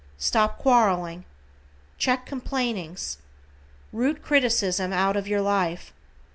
Stop quarreling. Check complainings. Root criticism out of your life.